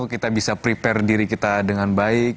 kita bisa prepare diri kita dengan baik